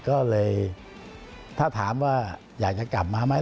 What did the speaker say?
ก็เลยถ้าถามว่าอยากจะกลับมาไหม